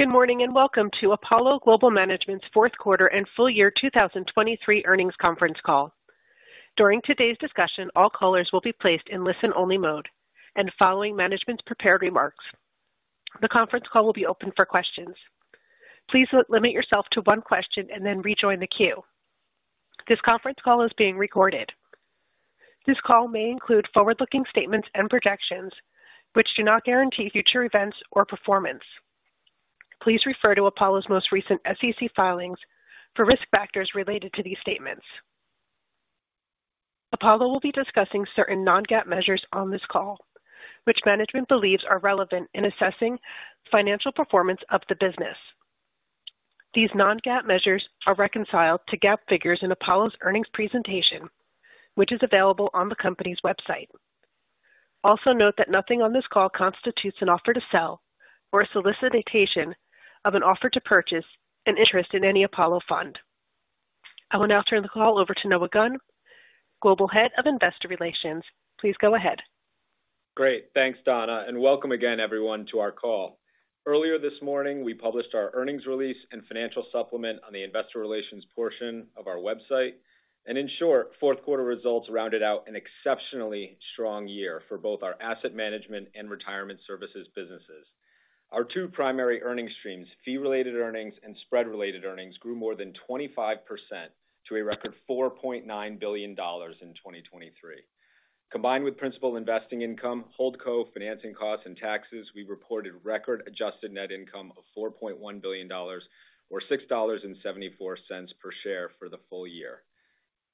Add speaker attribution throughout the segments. Speaker 1: Good morning, and welcome to Apollo Global Management's fourth quarter and full year 2023 earnings conference call. During today's discussion, all callers will be placed in listen-only mode, and following management's prepared remarks, the conference call will be open for questions. Please limit yourself to one question and then rejoin the queue. This conference call is being recorded. This call may include forward-looking statements and projections, which do not guarantee future events or performance. Please refer to Apollo's most recent SEC filings for risk factors related to these statements. Apollo will be discussing certain non-GAAP measures on this call, which management believes are relevant in assessing financial performance of the business. These non-GAAP measures are reconciled to GAAP figures in Apollo's earnings presentation, which is available on the company's website. Also, note that nothing on this call constitutes an offer to sell or a solicitation of an offer to purchase an interest in any Apollo fund. I will now turn the call over to Noah Gunn, Global Head of Investor Relations. Please go ahead.
Speaker 2: Great. Thanks, Donna, and welcome again, everyone, to our call. Earlier this morning, we published our earnings release and financial supplement on the investor relations portion of our website, and in short, fourth quarter results rounded out an exceptionally strong year for both our asset management and retirement services businesses. Our two primary earning streams, Fee-Related Earnings and Spread-Related Earnings, grew more than 25% to a record $4.9 billion in 2023. Combined with Principal Investing Income, holdco financing costs, and taxes, we reported record adjusted net income of $4.1 billion or $6.74 per share for the full year.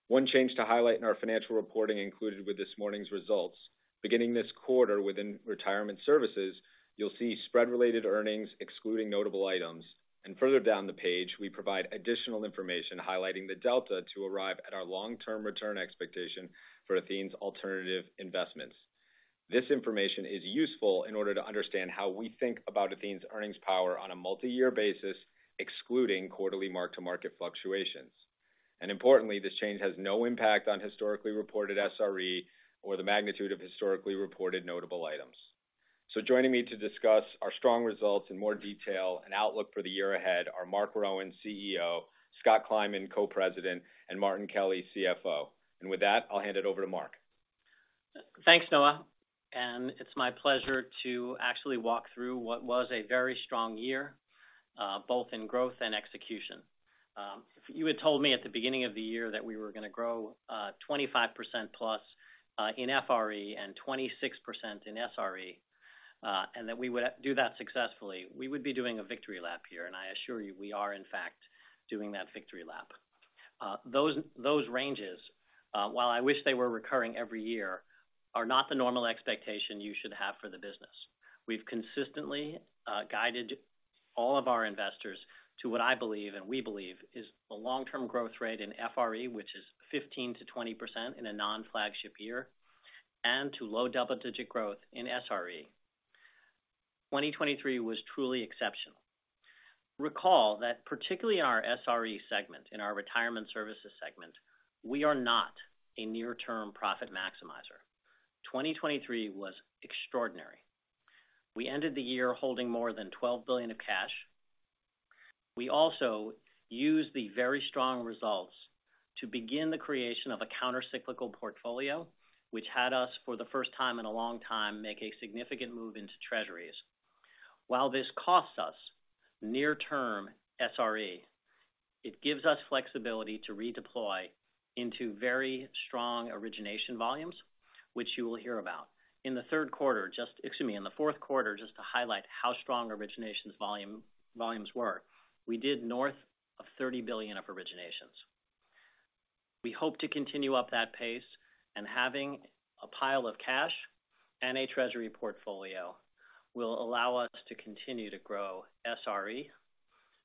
Speaker 2: One change to highlight in our financial reporting included with this morning's results. Beginning this quarter, within retirement services, you'll see Spread-Related Earnings, excluding notable items. And further down the page, we provide additional information highlighting the delta to arrive at our long-term return expectation for Athene's alternative investments. This information is useful in order to understand how we think about Athene's earnings power on a multi-year basis, excluding quarterly mark-to-market fluctuations. And importantly, this change has no impact on historically reported SRE or the magnitude of historically reported notable items. So joining me to discuss our strong results in more detail and outlook for the year ahead are Marc Rowan, CEO, Scott Kleinman, Co-President, and Martin Kelly, CFO. And with that, I'll hand it over to Marc.
Speaker 3: Thanks, Noah, and it's my pleasure to actually walk through what was a very strong year, both in growth and execution. If you had told me at the beginning of the year that we were going to grow 25%+ in FRE and 26% in SRE, and that we would do that successfully, we would be doing a victory lap year, and I assure you, we are, in fact, doing that victory lap. Those, those ranges, while I wish they were recurring every year, are not the normal expectation you should have for the business. We've consistently guided all of our investors to what I believe and we believe is the long-term growth rate in FRE, which is 15%-20% in a non-flagship year, and to low double-digit growth in SRE. 2023 was truly exceptional. Recall that particularly in our SRE segment, in our retirement services segment, we are not a near-term profit maximizer. 2023 was extraordinary. We ended the year holding more than $12 billion of cash. We also used the very strong results to begin the creation of a countercyclical portfolio, which had us, for the first time in a long time, make a significant move into Treasuries. While this costs us near term SRE, it gives us flexibility to redeploy into very strong origination volumes, which you will hear about. In the fourth quarter, just to highlight how strong originations volumes were, we did north of $30 billion of originations. We hope to continue up that pace, and having a pile of cash and a treasury portfolio will allow us to continue to grow SRE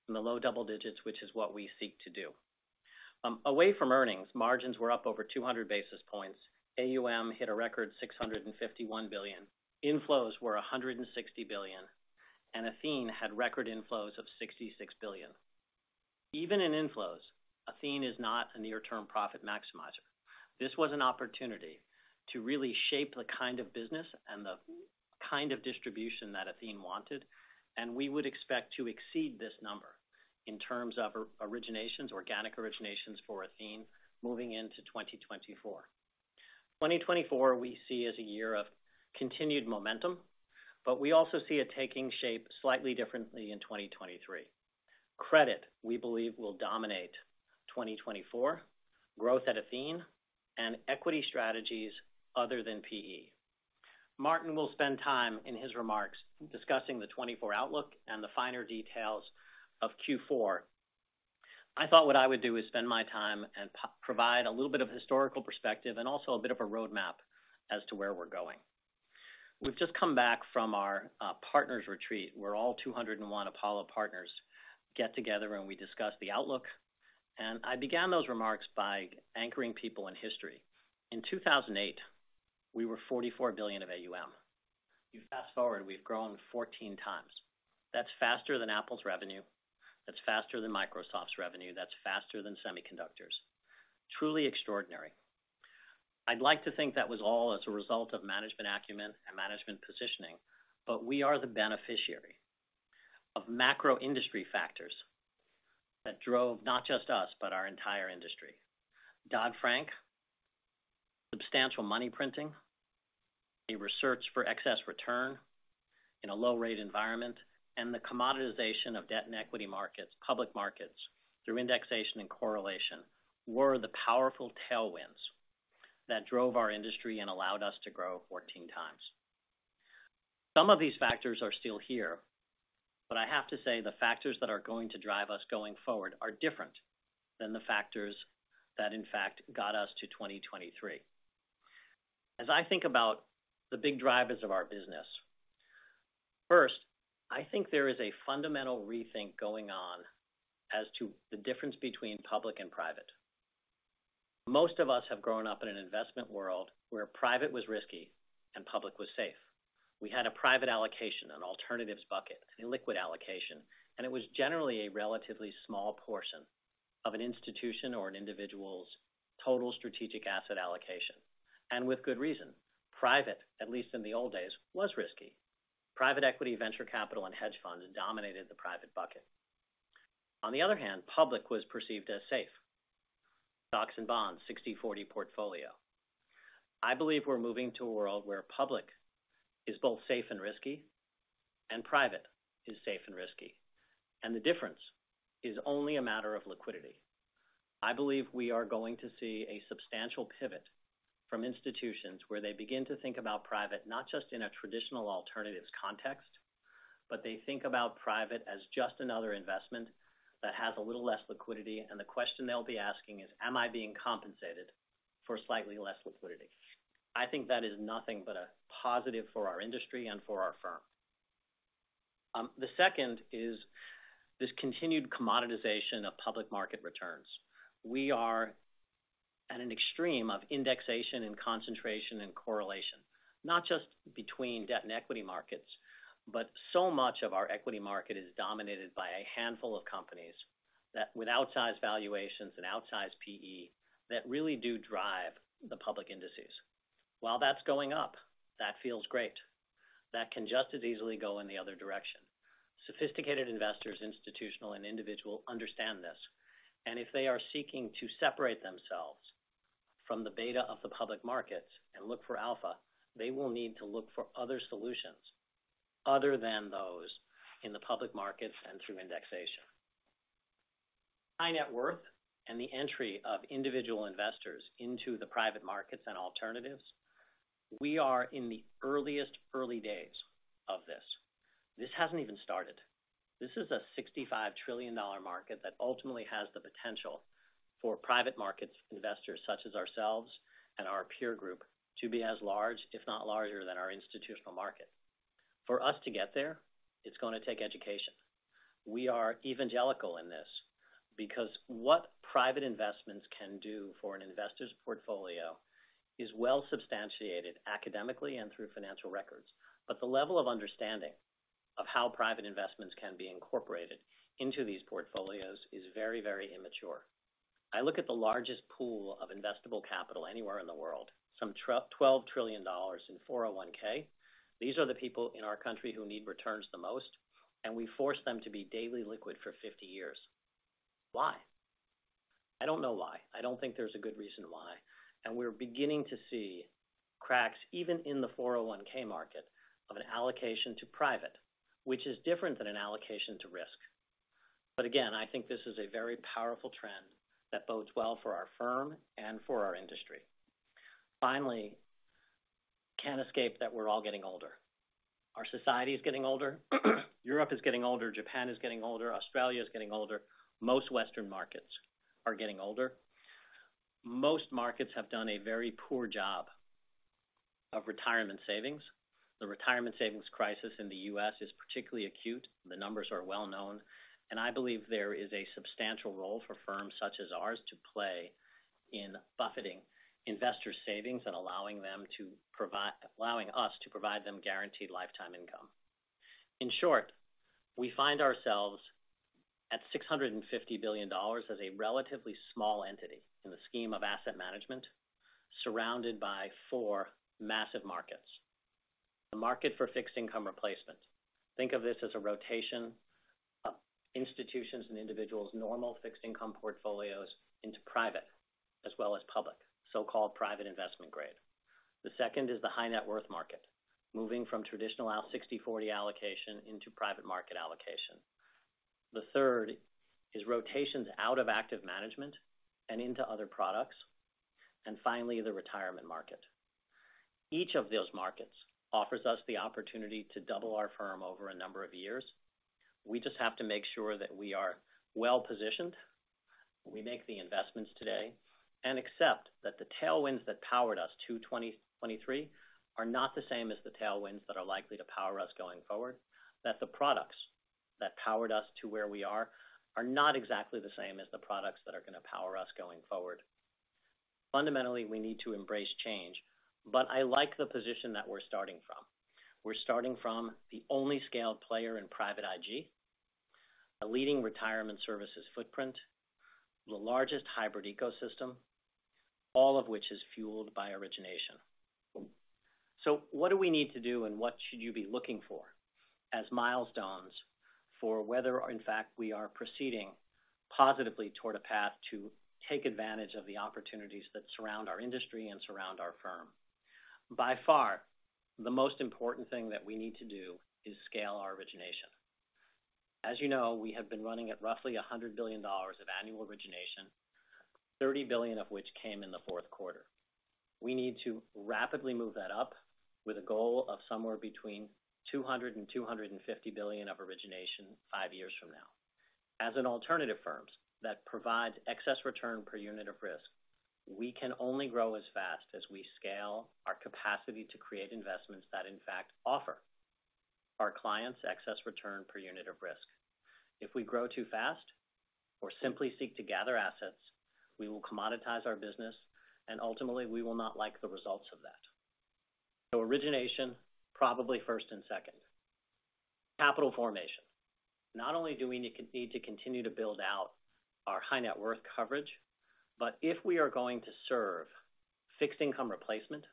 Speaker 3: in the low double digits, which is what we seek to do. Away from earnings, margins were up over 200 basis points. AUM hit a record $651 billion. Inflows were $160 billion, and Athene had record inflows of $66 billion. Even in inflows, Athene is not a near-term profit maximizer. This was an opportunity to really shape the kind of business and the kind of distribution that Athene wanted, and we would expect to exceed this number in terms of originations, organic originations for Athene moving into 2024. 2024, we see as a year of continued momentum, but we also see it taking shape slightly differently in 2023. Credit, we believe, will dominate 2024, growth at Athene and equity strategies other than PE. Martin will spend time in his remarks discussing the 2024 outlook and the finer details of Q4. I thought what I would do is spend my time and provide a little bit of historical perspective and also a bit of a roadmap as to where we're going. We've just come back from our partners retreat, where all 201 Apollo partners get together, and we discuss the outlook. And I began those remarks by anchoring people in history. In 2008, we were $44 billion of AUM. You fast forward, we've grown 14x. That's faster than Apple's revenue, that's faster than Microsoft's revenue, that's faster than semiconductors. Truly extraordinary.... I'd like to think that was all as a result of management acumen and management positioning, but we are the beneficiary of macro industry factors that drove not just us, but our entire industry. Dodd-Frank, substantial money printing, a research for excess return in a low rate environment, and the commoditization of debt and equity markets, public markets, through indexation and correlation, were the powerful tailwinds that drove our industry and allowed us to grow 14 times. Some of these factors are still here, but I have to say the factors that are going to drive us going forward are different than the factors that, in fact, got us to 2023. As I think about the big drivers of our business, first, I think there is a fundamental rethink going on as to the difference between public and private. Most of us have grown up in an investment world where private was risky and public was safe. We had a private allocation, an alternatives bucket, an illiquid allocation, and it was generally a relatively small portion of an institution or an individual's total strategic asset allocation, and with good reason. Private, at least in the old days, was risky. Private equity, venture capital, and hedge funds dominated the private bucket. On the other hand, public was perceived as safe. Stocks and bonds, 60/40 portfolio. I believe we're moving to a world where public is both safe and risky, and private is safe and risky, and the difference is only a matter of liquidity. I believe we are going to see a substantial pivot from institutions, where they begin to think about private, not just in a traditional alternatives context, but they think about private as just another investment that has a little less liquidity. The question they'll be asking is: Am I being compensated for slightly less liquidity? I think that is nothing but a positive for our industry and for our firm. The second is this continued commoditization of public market returns. We are at an extreme of indexation and concentration and correlation, not just between debt and equity markets, but so much of our equity market is dominated by a handful of companies that with outsized valuations and outsized PE, that really do drive the public indices. While that's going up, that feels great. That can just as easily go in the other direction. Sophisticated investors, institutional and individual, understand this, and if they are seeking to separate themselves from the beta of the public markets and look for Alpha, they will need to look for other solutions other than those in the public markets and through indexation. High net worth and the entry of individual investors into the private markets and alternatives, we are in the earliest early days of this. This hasn't even started. This is a $65 trillion market that ultimately has the potential for private markets, investors, such as ourselves and our peer group, to be as large, if not larger, than our institutional market. For us to get there, it's gonna take education. We are evangelical in this because what private investments can do for an investor's portfolio is well substantiated, academically and through financial records. But the level of understanding of how private investments can be incorporated into these portfolios is very, very immature. I look at the largest pool of investable capital anywhere in the world, some $12 trillion in 401(k). These are the people in our country who need returns the most, and we force them to be daily liquid for 50 years. Why? I don't know why. I don't think there's a good reason why, and we're beginning to see cracks, even in the 401(k) market, of an allocation to private, which is different than an allocation to risk. But again, I think this is a very powerful trend that bodes well for our firm and for our industry. Finally, can't escape that we're all getting older. Our society is getting older, Europe is getting older, Japan is getting older, Australia is getting older. Most Western markets are getting older. Most markets have done a very poor job of retirement savings. The retirement savings crisis in the U.S. is particularly acute. The numbers are well known, and I believe there is a substantial role for firms such as ours to play in buffeting investor savings and allowing them to provide-- allowing us to provide them guaranteed lifetime income. In short, we find ourselves at $650 billion, as a relatively small entity in the scheme of asset management, surrounded by four massive markets. The market for fixed income replacement. Think of this as a rotation of institutions and individuals' normal fixed income portfolios into private as well as public, so-called private investment grade. The second is the high net worth market, moving from traditional out 60/40 allocation into private market allocation. The third is rotations out of active management and into other products, and finally, the retirement market. Each of those markets offers us the opportunity to double our firm over a number of years. We just have to make sure that we are well positioned, we make the investments today, and accept that the tailwinds that powered us to 2023, are not the same as the tailwinds that are likely to power us going forward. That the products that powered us to where we are, are not exactly the same as the products that are gonna power us going forward. Fundamentally, we need to embrace change, but I like the position that we're starting from. We're starting from the only scaled player in private IG.... a leading retirement services footprint, the largest hybrid ecosystem, all of which is fueled by origination. So what do we need to do, and what should you be looking for as milestones for whether, in fact, we are proceeding positively toward a path to take advantage of the opportunities that surround our industry and surround our firm? By far, the most important thing that we need to do is scale our origination. As you know, we have been running at roughly $100 billion of annual origination, $30 billion of which came in the fourth quarter. We need to rapidly move that up with a goal of somewhere between $200 billion and $250 billion of origination five years from now. As an alternative firms that provide excess return per unit of risk, we can only grow as fast as we scale our capacity to create investments that, in fact, offer our clients excess return per unit of risk. If we grow too fast or simply seek to gather assets, we will commoditize our business, and ultimately, we will not like the results of that. So origination, probably first and second. Capital formation. Not only do we need to continue to build out our high net worth coverage, but if we are going to serve fixed income replacement,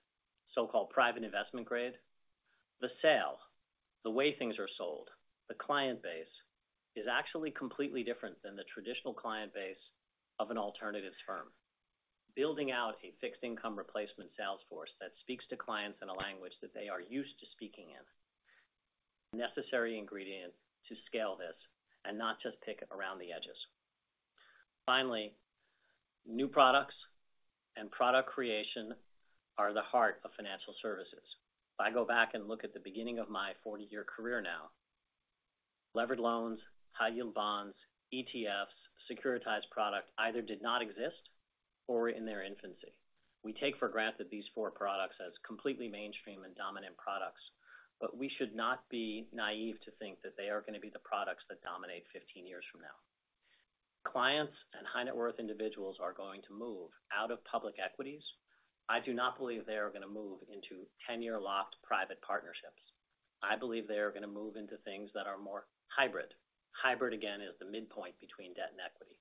Speaker 3: so-called private investment grade, the sale, the way things are sold, the client base, is actually completely different than the traditional client base of an alternatives firm. Building out a fixed income replacement sales force that speaks to clients in a language that they are used to speaking in, necessary ingredient to scale this and not just pick around the edges. Finally, new products and product creation are the heart of financial services. If I go back and look at the beginning of my 40-year career now, levered loans, high-yield bonds, ETFs, securitized product either did not exist or were in their infancy. We take for granted these four products as completely mainstream and dominant products, but we should not be naive to think that they are going to be the products that dominate 15 years from now. Clients and high net worth individuals are going to move out of public equities. I do not believe they are going to move into 10-year locked private partnerships. I believe they are going to move into things that are more hybrid. Hybrid, again, is the midpoint between debt and equity,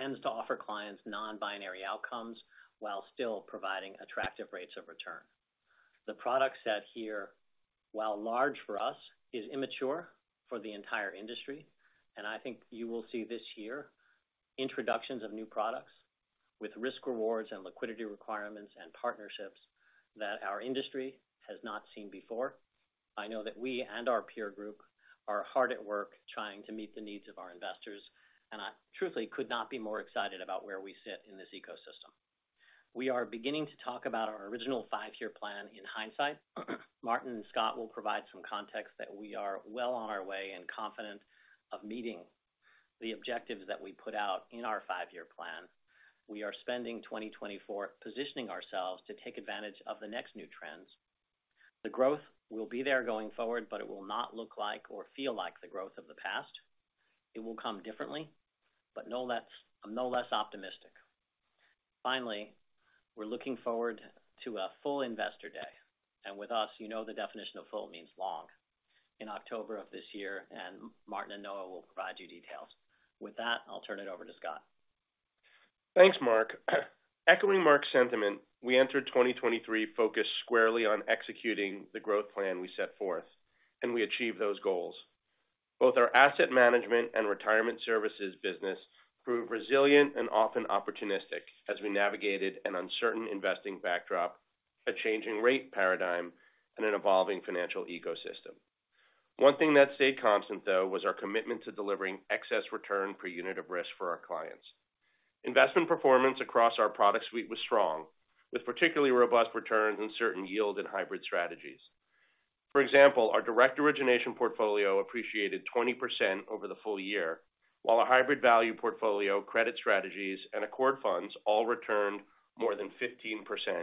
Speaker 3: and is to offer clients non-binary outcomes while still providing attractive rates of return. The product set here, while large for us, is immature for the entire industry, and I think you will see this year introductions of new products with risk rewards and liquidity requirements and partnerships that our industry has not seen before. I know that we and our peer group are hard at work trying to meet the needs of our investors, and I truthfully could not be more excited about where we sit in this ecosystem. We are beginning to talk about our original five-year plan in hindsight. Martin and Scott will provide some context that we are well on our way and confident of meeting the objectives that we put out in our five-year plan. We are spending 2024 positioning ourselves to take advantage of the next new trends. The growth will be there going forward, but it will not look like or feel like the growth of the past. It will come differently, but no less. I'm no less optimistic. Finally, we're looking forward to a full investor day, and with us, you know, the definition of full means long, in October of this year, and Martin and Noah will provide you details. With that, I'll turn it over to Scott.
Speaker 4: Thanks, Marc. Echoing Marc's sentiment, we entered 2023 focused squarely on executing the growth plan we set forth, and we achieved those goals. Both our asset management and retirement services business proved resilient and often opportunistic as we navigated an uncertain investing backdrop, a changing rate paradigm, and an evolving financial ecosystem. One thing that stayed constant, though, was our commitment to delivering excess return per unit of risk for our clients. Investment performance across our product suite was strong, with particularly robust returns in certain yield and hybrid strategies. For example, our direct origination portfolio appreciated 20% over the full year, while a hybrid value portfolio, credit strategies, and accord funds all returned more than 15%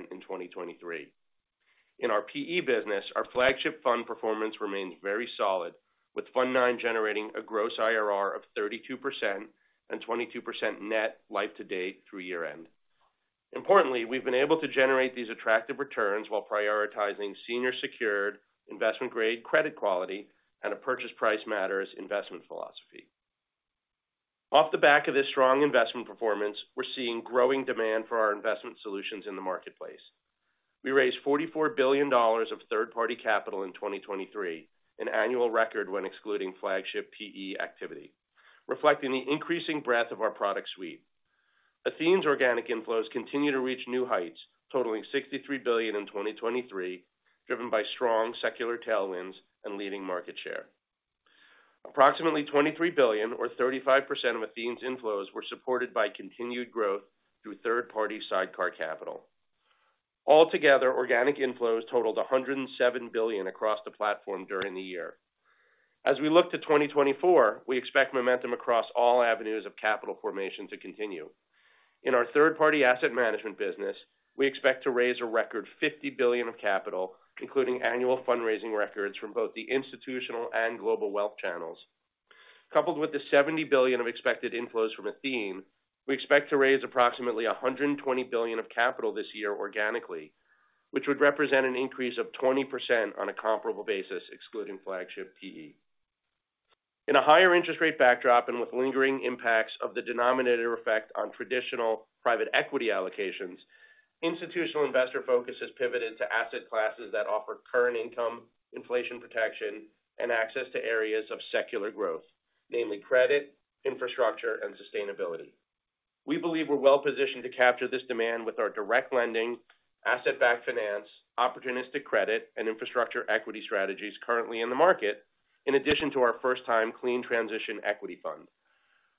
Speaker 4: in 2023. In our PE business, our flagship fund performance remains very solid, with Fund IX generating a gross IRR of 32% and 22% net life to date through year-end. Importantly, we've been able to generate these attractive returns while prioritizing senior secured investment-grade credit quality and a purchase price matters investment philosophy. Off the back of this strong investment performance, we're seeing growing demand for our investment solutions in the marketplace. We raised $44 billion of third-party capital in 2023, an annual record when excluding flagship PE activity, reflecting the increasing breadth of our product suite. Athene's organic inflows continue to reach new heights, totaling $63 billion in 2023, driven by strong secular tailwinds and leading market share. Approximately $23 billion or 35% of Athene's inflows were supported by continued growth through third-party sidecar capital. Altogether, organic inflows totaled $107 billion across the platform during the year. As we look to 2024, we expect momentum across all avenues of capital formation to continue. In our third-party asset management business, we expect to raise a record $50 billion of capital, including annual fundraising records from both the institutional and global wealth channels.... coupled with the $70 billion of expected inflows from Athene, we expect to raise approximately $120 billion of capital this year organically, which would represent an increase of 20% on a comparable basis, excluding flagship PE. In a higher interest rate backdrop and with lingering impacts of the denominator effect on traditional private equity allocations, institutional investor focus has pivoted to asset classes that offer current income, inflation protection, and access to areas of secular growth, namely credit, infrastructure, and sustainability. We believe we're well positioned to capture this demand with our direct lending, asset-backed finance, opportunistic credit, and infrastructure equity strategies currently in the market, in addition to our first-time clean transition equity fund.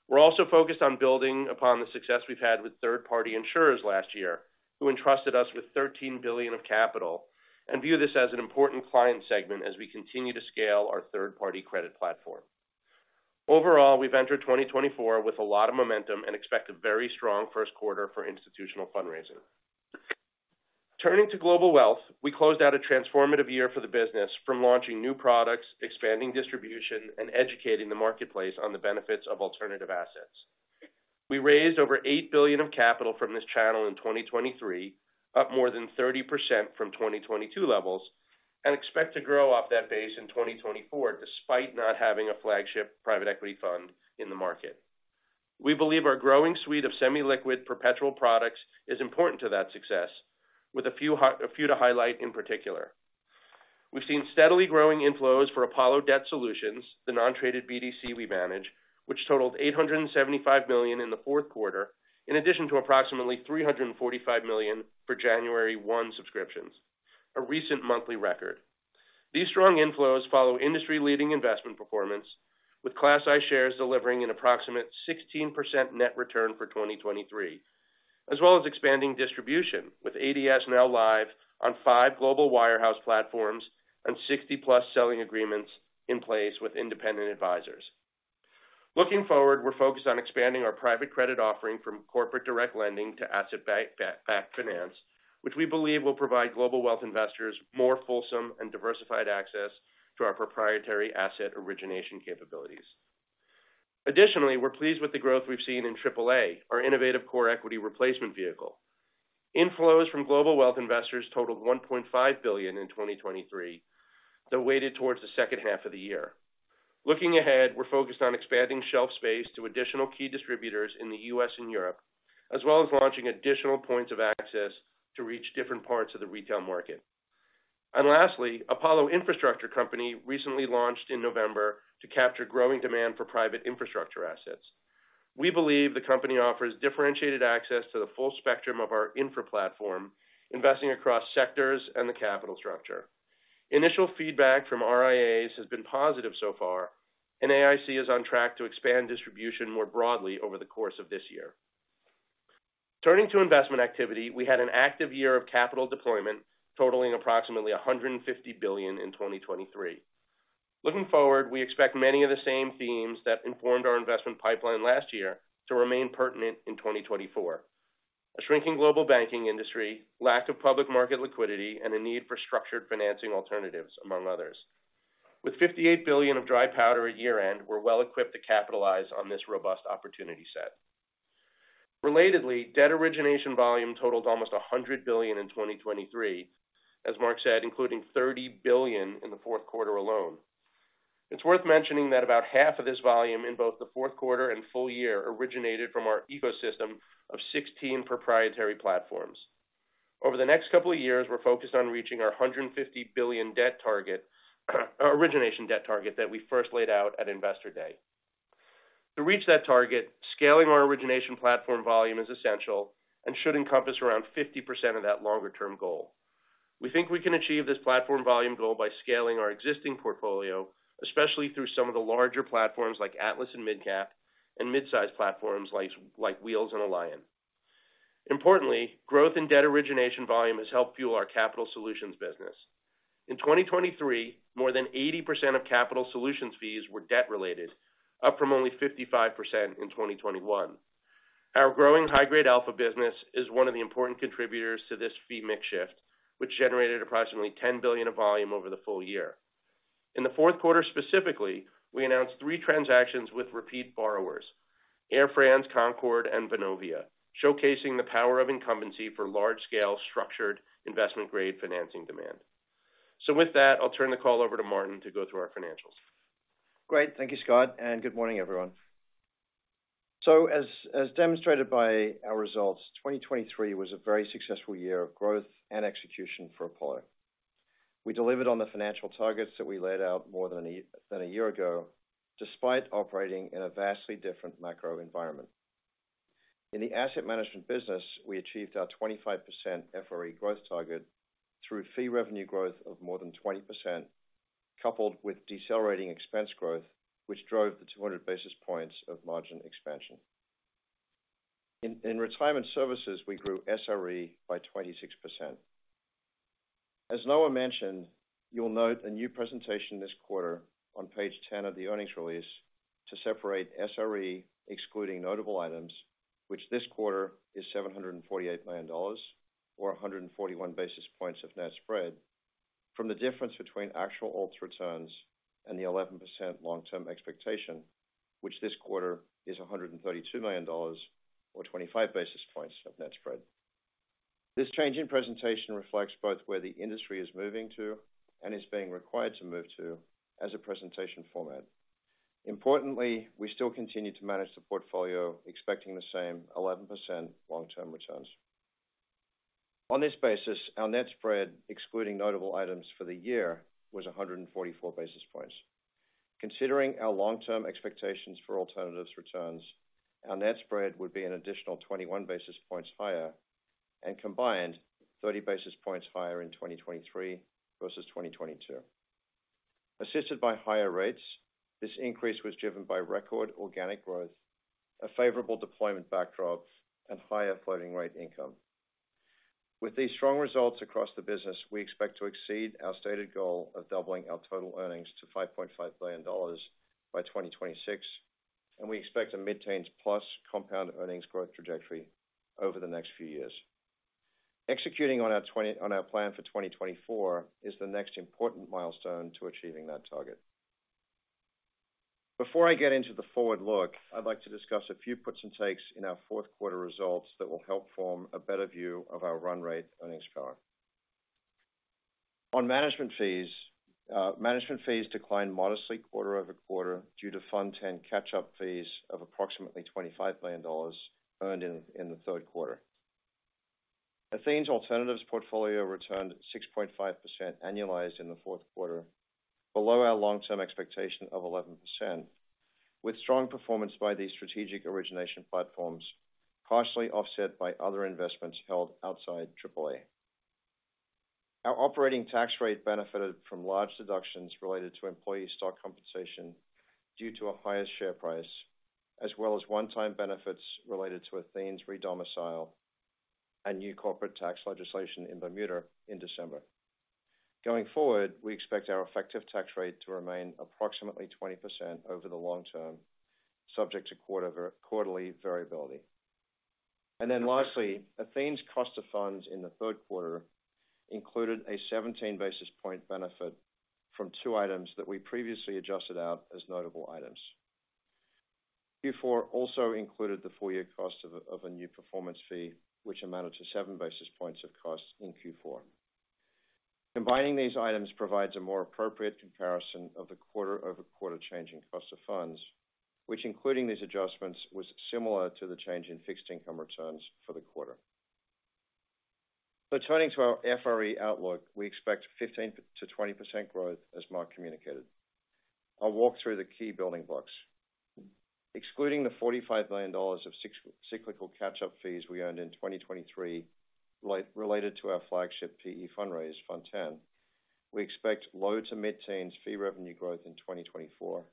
Speaker 4: We're also focused on building upon the success we've had with third-party insurers last year, who entrusted us with $13 billion of capital, and view this as an important client segment as we continue to scale our third-party credit platform. Overall, we've entered 2024 with a lot of momentum and expect a very strong first quarter for institutional fundraising. Turning to global wealth, we closed out a transformative year for the business, from launching new products, expanding distribution, and educating the marketplace on the benefits of alternative assets. We raised over $8 billion of capital from this channel in 2023, up more than 30% from 2022 levels, and expect to grow off that base in 2024, despite not having a flagship private equity fund in the market. We believe our growing suite of semi-liquid perpetual products is important to that success, with a few to highlight in particular. We've seen steadily growing inflows for Apollo Debt Solutions, the non-traded BDC we manage, which totaled $875 million in the fourth quarter, in addition to approximately $345 million for January 1 subscriptions, a recent monthly record. These strong inflows follow industry-leading investment performance, with Class I shares delivering an approximate 16% net return for 2023, as well as expanding distribution, with ADS now live on five global wirehouse platforms and 60+ selling agreements in place with independent advisors. Looking forward, we're focused on expanding our private credit offering from corporate direct lending to asset-backed, backed finance, which we believe will provide global wealth investors more fulsome and diversified access to our proprietary asset origination capabilities. Additionally, we're pleased with the growth we've seen in AAA, our innovative core equity replacement vehicle. Inflows from global wealth investors totaled $1.5 billion in 2023, that weighted towards the second half of the year. Looking ahead, we're focused on expanding shelf space to additional key distributors in the U.S. and Europe, as well as launching additional points of access to reach different parts of the retail market. And lastly, Apollo Infrastructure Company recently launched in November to capture growing demand for private infrastructure assets. We believe the company offers differentiated access to the full spectrum of our infra platform, investing across sectors and the capital structure. Initial feedback from RIAs has been positive so far, and AIC is on track to expand distribution more broadly over the course of this year. Turning to investment activity, we had an active year of capital deployment, totaling approximately $150 billion in 2023. Looking forward, we expect many of the same themes that informed our investment pipeline last year to remain pertinent in 2024. A shrinking global banking industry, lack of public market liquidity, and a need for structured financing alternatives, among others. With $58 billion of dry powder at year-end, we're well equipped to capitalize on this robust opportunity set. Relatedly, debt origination volume totaled almost $100 billion in 2023, as Mark said, including $30 billion in the fourth quarter alone. It's worth mentioning that about half of this volume in both the fourth quarter and full year originated from our ecosystem of 16 proprietary platforms. Over the next couple of years, we're focused on reaching our $150 billion debt target, origination debt target that we first laid out at Investor Day. To reach that target, scaling our origination platform volume is essential and should encompass around 50% of that longer-term goal. We think we can achieve this platform volume goal by scaling our existing portfolio, especially through some of the larger platforms like Atlas and MidCap, and mid-size platforms like Wheels and Alliant. Importantly, growth in debt origination volume has helped fuel our capital solutions business. In 2023, more than 80% of capital solutions fees were debt-related, up from only 55% in 2021. Our growing High Grade Alpha business is one of the important contributors to this fee mix shift, which generated approximately $10 billion of volume over the full year. In the fourth quarter, specifically, we announced three transactions with repeat borrowers, Air France, Concord, and Vonovia, showcasing the power of incumbency for large-scale structured investment-grade financing demand. So with that, I'll turn the call over to Martin to go through our financials.
Speaker 5: Great. Thank you, Scott, and good morning, everyone. So as demonstrated by our results, 2023 was a very successful year of growth and execution for Apollo. We delivered on the financial targets that we laid out more than a year ago, despite operating in a vastly different macro environment. In the asset management business, we achieved our 25% FRE growth target through fee revenue growth of more than 20%, coupled with decelerating expense growth, which drove the 200 basis points of margin expansion. In retirement services, we grew SRE by 26%. As Noah mentioned, you'll note a new presentation this quarter on page 10 of the earnings release to separate SRE, excluding notable items, which this quarter is $748 million or 141 basis points of net spread. from the difference between actual alts returns and the 11% long-term expectation, which this quarter is $132 million or 25 basis points of net spread. This change in presentation reflects both where the industry is moving to and is being required to move to as a presentation format. Importantly, we still continue to manage the portfolio, expecting the same 11% long-term returns. On this basis, our net spread, excluding notable items for the year, was 144 basis points. Considering our long-term expectations for alternatives returns, our net spread would be an additional 21 basis points higher and combined 30 basis points higher in 2023 versus 2022. Assisted by higher rates, this increase was driven by record organic growth, a favorable deployment backdrop, and higher floating rate income. With these strong results across the business, we expect to exceed our stated goal of doubling our total earnings to $5.5 billion by 2026, and we expect a mid-teens + compound earnings growth trajectory over the next few years. Executing on our plan for 2024 is the next important milestone to achieving that target. Before I get into the forward look, I'd like to discuss a few puts and takes in our fourth quarter results that will help form a better view of our run rate earnings power. On management fees, management fees declined modestly quarter-over-quarter due to Fund X catch-up fees of approximately $25 million earned in the third quarter. Athene's alternatives portfolio returned 6.5% annualized in the fourth quarter, below our long-term expectation of 11%, with strong performance by these strategic origination platforms, partially offset by other investments held outside AAA. Our operating tax rate benefited from large deductions related to employee stock compensation due to a higher share price, as well as one-time benefits related to Athene's redomicile and new corporate tax legislation in Bermuda in December. Going forward, we expect our effective tax rate to remain approximately 20% over the long term, subject to quarterly variability. And then lastly, Athene's cost of funds in the third quarter included a 17 basis point benefit from two items that we previously adjusted out as notable items. Q4 also included the full-year cost of a new performance fee, which amounted to seven basis points of cost in Q4. Combining these items provides a more appropriate comparison of the quarter-over-quarter change in cost of funds, which, including these adjustments, was similar to the change in fixed income returns for the quarter. So turning to our FRE outlook, we expect 15% to 20% growth, as Marc communicated. I'll walk through the key building blocks. Excluding the $45 million of cyclical catch-up fees we earned in 2023, related to our flagship PE fundraise, Fund X, we expect low-to-mid-teens fee revenue growth in 2024,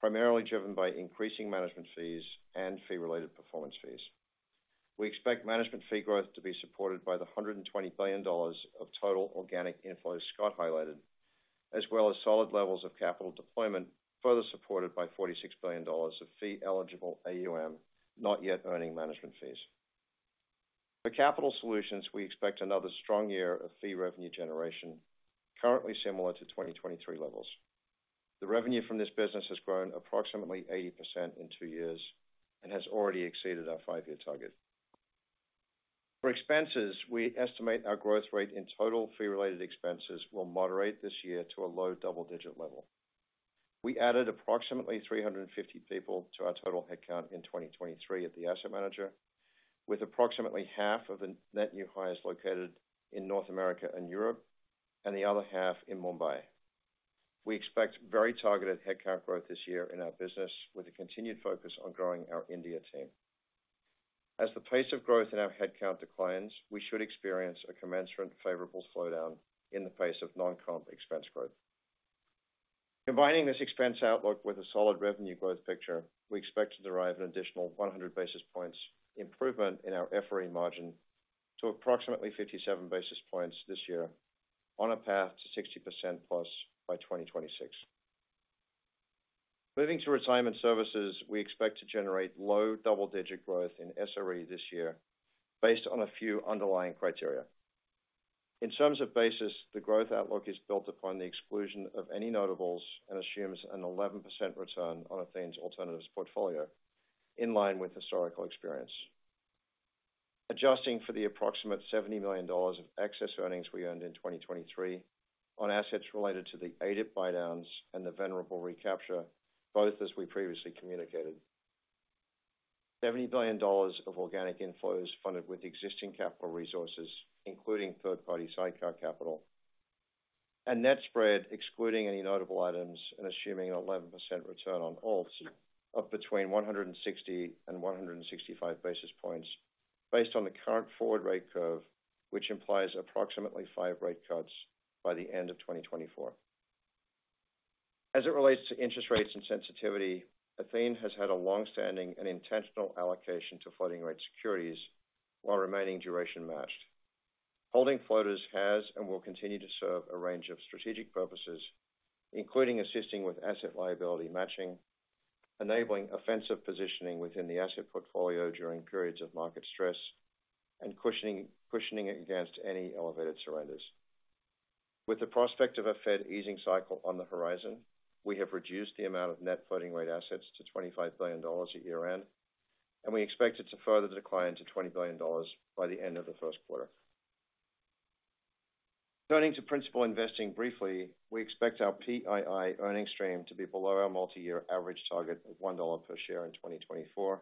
Speaker 5: primarily driven by increasing management fees and fee-related performance fees. We expect management fee growth to be supported by the $120 billion of total organic inflows Scott highlighted, as well as solid levels of capital deployment, further supported by $46 billion of fee-eligible AUM, not yet earning management fees. For Capital Solutions, we expect another strong year of fee revenue generation, currently similar to 2023 levels. The revenue from this business has grown approximately 80% in two years and has already exceeded our five-year target. For expenses, we estimate our growth rate in total fee-related expenses will moderate this year to a low double-digit level. We added approximately 350 people to our total headcount in 2023 at the asset manager, with approximately half of the net new hires located in North America and Europe, and the other half in Mumbai. We expect very targeted headcount growth this year in our business, with a continued focus on growing our India team. As the pace of growth in our headcount declines, we should experience a commensurate favorable slowdown in the pace of non-comp expense growth. Combining this expense outlook with a solid revenue growth picture, we expect to derive an additional 100 basis points improvement in our FRE margin to approximately 57 basis points this year, on a path to 60%+ by 2026. Moving to Retirement Services, we expect to generate low double-digit growth in SRE this year, based on a few underlying criteria. In terms of basis, the growth outlook is built upon the exclusion of any notables and assumes an 11% return on Athene's alternatives portfolio, in line with historical experience. Adjusting for the approximate $70 million of excess earnings we earned in 2023 on assets related to the ADIP buydowns and the Venerable recapture, both, as we previously communicated. $70 billion of organic inflows funded with existing capital resources, including third-party sidecar capital. Net spread, excluding any notable items and assuming an 11% return on alts of between 160 and 165 basis points, based on the current forward rate curve, which implies approximately 5 rate cuts by the end of 2024. As it relates to interest rates and sensitivity, Athene has had a long-standing and intentional allocation to floating rate securities while remaining duration matched. Holding floaters has and will continue to serve a range of strategic purposes, including assisting with asset liability matching, enabling offensive positioning within the asset portfolio during periods of market stress and cushioning against any elevated surrenders. With the prospect of a Fed easing cycle on the horizon, we have reduced the amount of net floating rate assets to $25 billion year-end, and we expect it to further decline to $20 billion by the end of the first quarter. Turning to principal investing briefly, we expect our PII earning stream to be below our multi-year average target of $1 per share in 2024,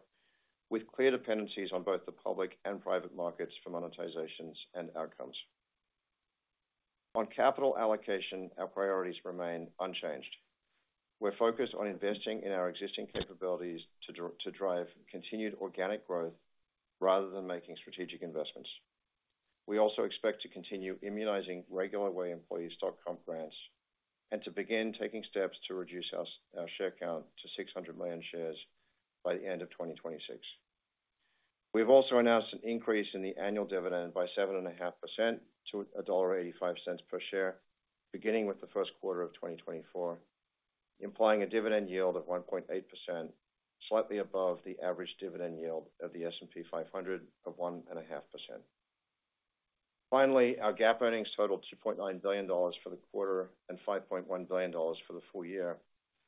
Speaker 5: with clear dependencies on both the public and private markets for monetizations and outcomes. On capital allocation, our priorities remain unchanged. We're focused on investing in our existing capabilities to drive continued organic growth rather than making strategic investments. We also expect to continue immunizing regular way employees, stock comp grants, and to begin taking steps to reduce our share count to 600 million shares by the end of 2026. We've also announced an increase in the annual dividend by 7.5% to $1.85 per share, beginning with the first quarter of 2024, implying a dividend yield of 1.8%, slightly above the average dividend yield of the S&P 500 of 1.5%. Finally, our GAAP earnings totaled $2.9 billion for the quarter and $5.1 billion for the full year,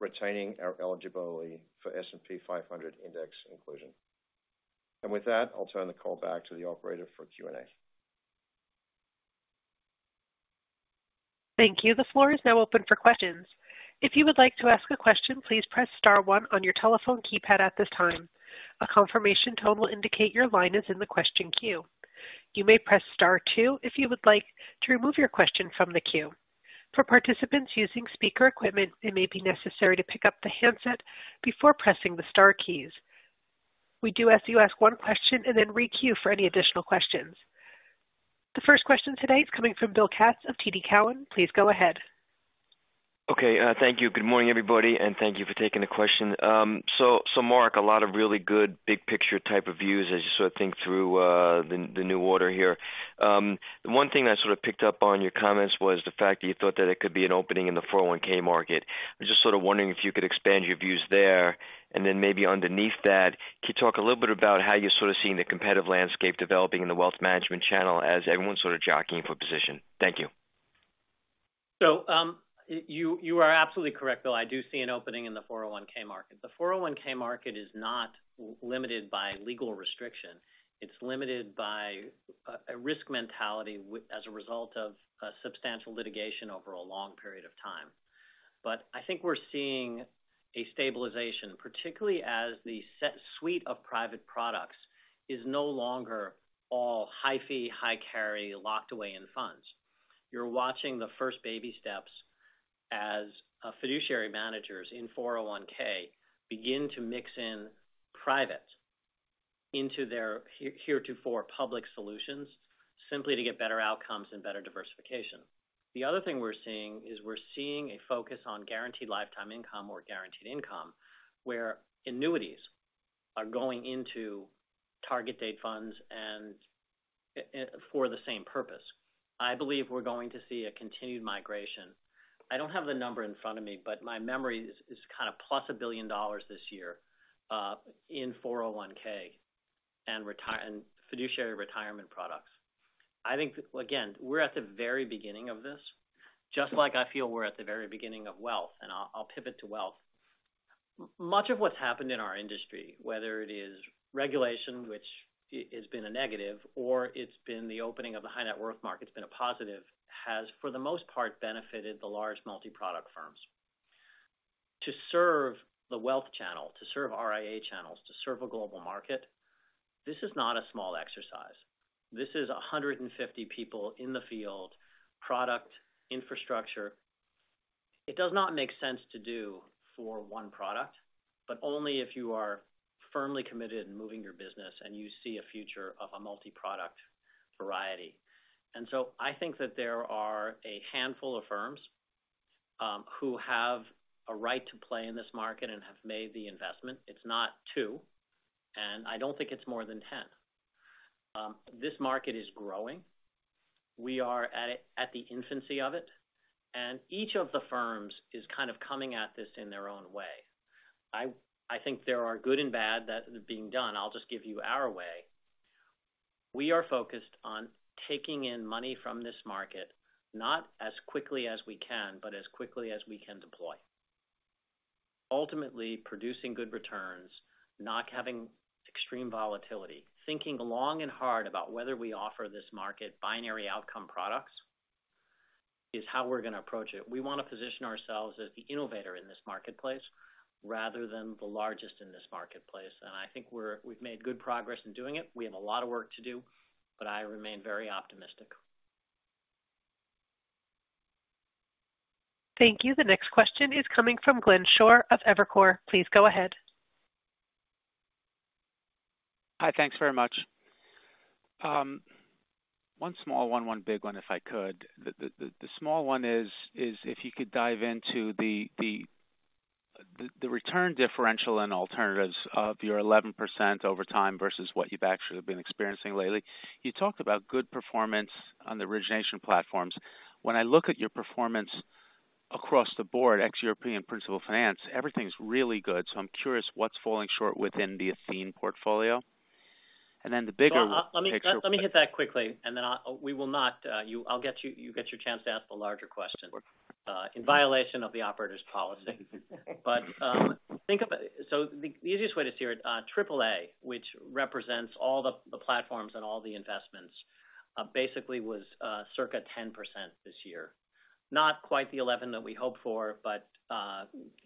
Speaker 5: retaining our eligibility for S&P 500 index inclusion. And with that, I'll turn the call back to the operator for Q&A.
Speaker 1: Thank you. The floor is now open for questions. If you would like to ask a question, please press star one on your telephone keypad at this time. A confirmation tone will indicate your line is in the question queue. You may press star two if you would like to remove your question from the queue. For participants using speaker equipment, it may be necessary to pick up the handset before pressing the star keys. We do ask you to ask one question and then re-queue for any additional questions. The first question today is coming from Bill Katz of TD Cowen. Please go ahead.
Speaker 6: Okay, thank you. Good morning, everybody, and thank you for taking the question. So, Marc, a lot of really good big picture type of views as you sort of think through the new order here. The one thing I sort of picked up on your comments was the fact that you thought that it could be an opening in the 401(k) market. I'm just sort of wondering if you could expand your views there, and then maybe underneath that, can you talk a little bit about how you're sort of seeing the competitive landscape developing in the wealth management channel as everyone's sort of jockeying for position? Thank you.
Speaker 3: So, you are absolutely correct, though. I do see an opening in the 401(k) market. The 401(k) market is not limited by legal restriction. It's limited by a risk mentality as a result of substantial litigation over a long period of time. But I think we're seeing a stabilization, particularly as the set suite of private products is no longer all high fee, high carry, locked away in funds. You're watching the first baby steps as fiduciary managers in 401(k) begin to mix in private into their heretofore public solutions, simply to get better outcomes and better diversification. The other thing we're seeing is we're seeing a focus on guaranteed lifetime income or guaranteed income, where annuities are going into target date funds and for the same purpose. I believe we're going to see a continued migration. I don't have the number in front of me, but my memory is kind of +$1 billion this year in 401(k) and retirement and fiduciary retirement products. I think, again, we're at the very beginning of this, just like I feel we're at the very beginning of wealth, and I'll pivot to wealth. Much of what's happened in our industry, whether it is regulation, which has been a negative, or it's been the opening of the high net worth market, it's been a positive, has, for the most part, benefited the large multiproduct firms. To serve the wealth channel, to serve RIA channels, to serve a global market, this is not a small exercise. This is 150 people in the field, product, infrastructure. It does not make sense to do for one product, but only if you are firmly committed in moving your business and you see a future of a multiproduct variety. I think that there are a handful of firms who have a right to play in this market and have made the investment. It's not two, and I don't think it's more than ten. This market is growing. We are at the infancy of it, and each of the firms is kind of coming at this in their own way. I think there are good and bad that is being done. I'll just give you our way. We are focused on taking in money from this market, not as quickly as we can, but as quickly as we can deploy. Ultimately producing good returns, not having extreme volatility, thinking long and hard about whether we offer this market binary outcome products, is how we're going to approach it. We want to position ourselves as the innovator in this marketplace rather than the largest in this marketplace. I think we're- we've made good progress in doing it. We have a lot of work to do, but I remain very optimistic.
Speaker 1: Thank you. The next question is coming from Glenn Schorr of Evercore. Please go ahead.
Speaker 7: Hi, thanks very much. One small one, one big one, if I could. The small one is if you could dive into the return differential and alternatives of your 11% over time versus what you've actually been experiencing lately. You talked about good performance on the origination platforms. When I look at your performance-... across the board, ex-European Principal Finance, everything's really good, so I'm curious what's falling short within the Athene portfolio? And then the bigger picture-
Speaker 3: Well, let me, let me hit that quickly, and then I—we will not, you—I'll get you. You get your chance to ask the larger question.
Speaker 7: Sure.
Speaker 3: In violation of the operator's policy. But, think of it—so the easiest way to see it, AAA, which represents all the platforms and all the investments, basically was circa 10% this year. Not quite the 11 that we hoped for, but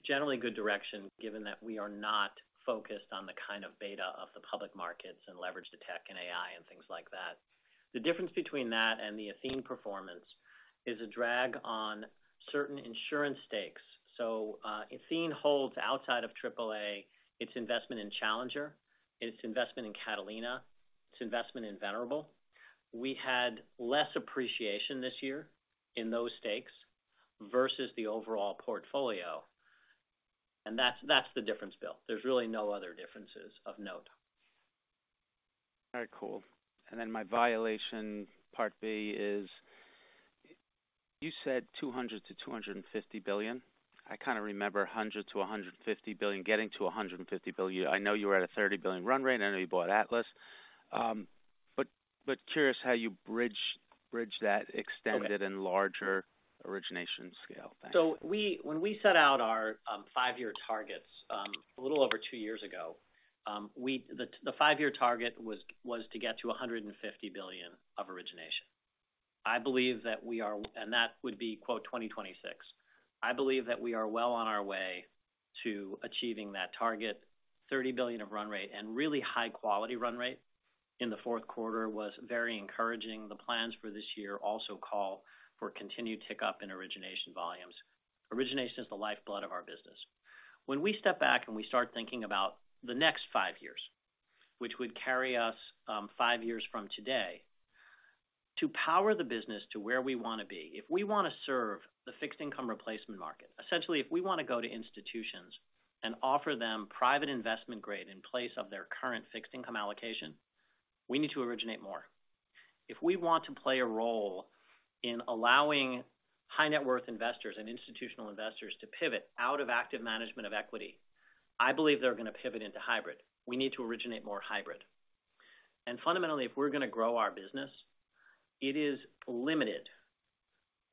Speaker 3: generally good direction, given that we are not focused on the kind of beta of the public markets and leverage to tech and AI and things like that. The difference between that and the Athene performance is a drag on certain insurance stakes. So, Athene holds outside of AAA, its investment in Challenger, its investment in Catalina, its investment in Venerable. We had less appreciation this year in those stakes versus the overall portfolio, and that's, that's the difference, Bill. There's really no other differences of note.
Speaker 7: All right, cool. And then my violation, part B, is... you said $200 billion to $250 billion. I kind of remember $100 billion to $150 billion, getting to $150 billion. I know you were at a $30 billion run rate, and I know you bought Atlas. But curious how you bridge that extended-
Speaker 3: Okay...
Speaker 7: and larger origination scale thing.
Speaker 3: So when we set out our five-year targets a little over two years ago, the five-year target was to get to $150 billion of origination. I believe that we are, and that would be, quote, 2026. I believe that we are well on our way to achieving that target. $30 billion of run rate and really high quality run rate in the fourth quarter was very encouraging. The plans for this year also call for continued tick up in origination volumes. Origination is the lifeblood of our business. When we step back and we start thinking about the next five years, which would carry us, five years from today, to power the business to where we want to be, if we want to serve the fixed income replacement market, essentially, if we want to go to institutions and offer them private investment grade in place of their current fixed income allocation, we need to originate more. If we want to play a role in allowing high net worth investors and institutional investors to pivot out of active management of equity, I believe they're going to pivot into hybrid. We need to originate more hybrid. And fundamentally, if we're going to grow our business, it is limited,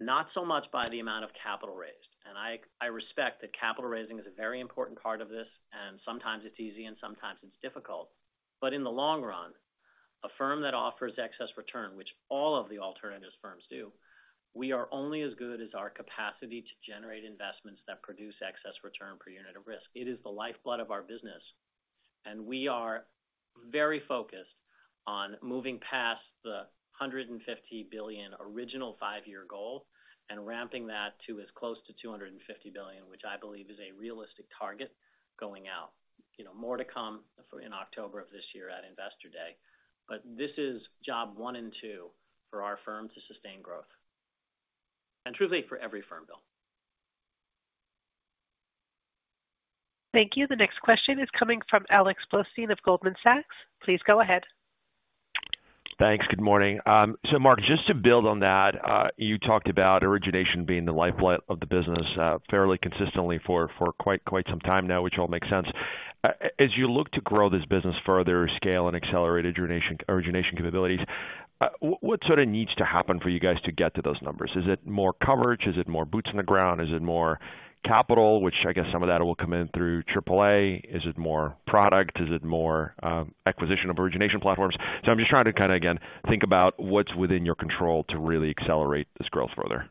Speaker 3: not so much by the amount of capital raised, and I, I respect that capital raising is a very important part of this, and sometimes it's easy and sometimes it's difficult. But in the long run, a firm that offers excess return, which all of the alternatives firms do, we are only as good as our capacity to generate investments that produce excess return per unit of risk. It is the lifeblood of our business, and we are very focused on moving past the $150 billion original five-year goal and ramping that to as close to $250 billion, which I believe is a realistic target going out. You know, more to come for in October of this year at Investor Day. But this is job one and two for our firm to sustain growth, and truly for every firm, Bill.
Speaker 1: Thank you. The next question is coming from Alex Blostein of Goldman Sachs. Please go ahead.
Speaker 8: Thanks. Good morning. So Marc, just to build on that, you talked about origination being the lifeblood of the business, fairly consistently for, for quite, quite some time now, which all makes sense. As you look to grow this business further, scale and accelerate origination, origination capabilities, what, what sort of needs to happen for you guys to get to those numbers? Is it more coverage? Is it more boots on the ground? Is it more capital, which I guess some of that will come in through AAA? Is it more product? Is it more acquisition of origination platforms? So I'm just trying to kind of, again, think about what's within your control to really accelerate this growth further.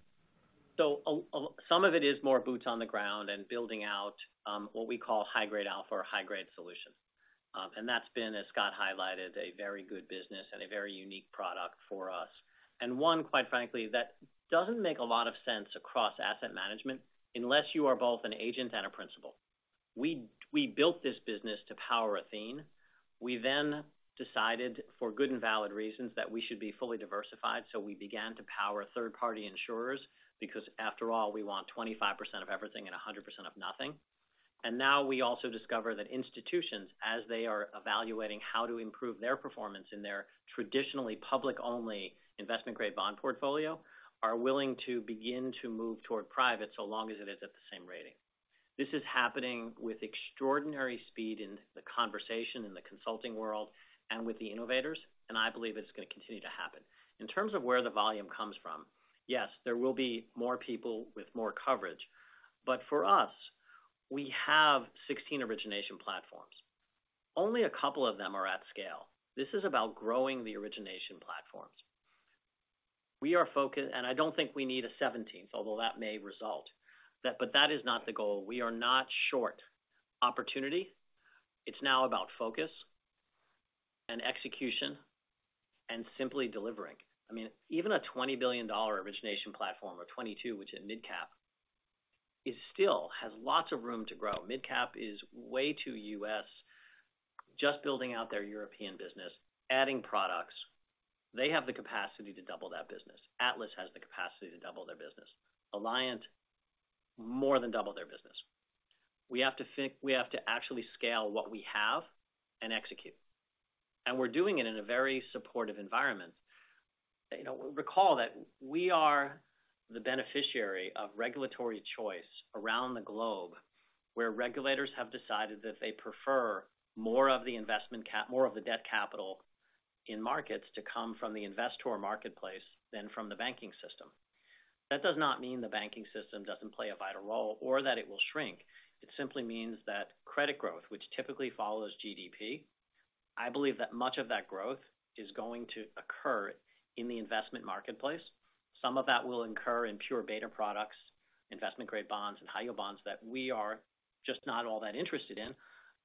Speaker 3: Some of it is more boots on the ground and building out what we call high-grade alpha or high-grade solutions. And that's been, as Scott highlighted, a very good business and a very unique product for us. And one, quite frankly, that doesn't make a lot of sense across asset management unless you are both an agent and a principal. We built this business to power Athene. We then decided, for good and valid reasons, that we should be fully diversified, so we began to power third-party insurers, because after all, we want 25% of everything and 100% of nothing. And now we also discover that institutions, as they are evaluating how to improve their performance in their traditionally public-only investment-grade bond portfolio, are willing to begin to move toward private, so long as it is at the same rating. This is happening with extraordinary speed in the conversation in the consulting world and with the innovators, and I believe it's going to continue to happen. In terms of where the volume comes from, yes, there will be more people with more coverage, but for us, we have 16 origination platforms. Only a couple of them are at scale. This is about growing the origination platforms. We are focused, and I don't think we need a 17th, although that may result. That, but that is not the goal. We are not short opportunity. It's now about focus and execution and simply delivering. I mean, even a $20 billion origination platform, or $22 billion, which is MidCap, it still has lots of room to grow. MidCap is way too U.S., just building out their European business, adding products. They have the capacity to double that business. Atlas has the capacity to double their business. Alliant, more than double their business.... We have to think, we have to actually scale what we have and execute, and we're doing it in a very supportive environment. You know, recall that we are the beneficiary of regulatory choice around the globe, where regulators have decided that they prefer more of the debt capital in markets to come from the investor marketplace than from the banking system. That does not mean the banking system doesn't play a vital role or that it will shrink. It simply means that credit growth, which typically follows GDP, I believe that much of that growth is going to occur in the investment marketplace. Some of that will incur in pure beta products, investment-grade bonds, and high-yield bonds that we are just not all that interested in.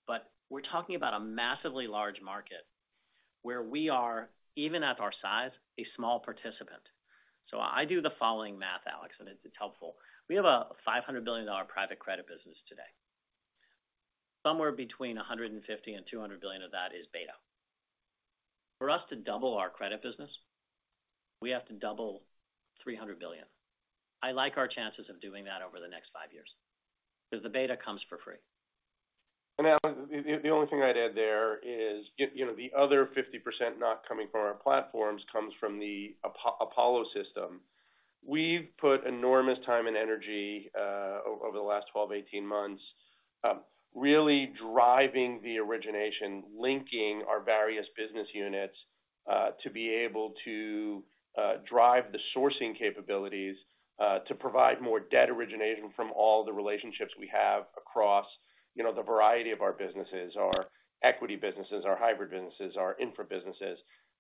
Speaker 3: But we're talking about a massively large market, where we are, even at our size, a small participant. So I do the following math, Alex, and it's helpful. We have a $500 billion private credit business today. Somewhere between 150 and 200 billion of that is beta. For us to double our credit business, we have to double 300 billion. I like our chances of doing that over the next five years, because the beta comes for free.
Speaker 4: Alex, the only thing I'd add there is, you know, the other 50% not coming from our platforms, comes from the Apollo system. We've put enormous time and energy over the last 12-18 months, really driving the origination, linking our various business units, to be able to drive the sourcing capabilities, to provide more debt origination from all the relationships we have across, you know, the variety of our businesses, our equity businesses, our hybrid businesses, our infra businesses.